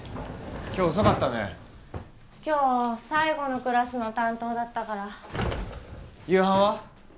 今日遅かったね今日最後のクラスの担当だったから夕飯は？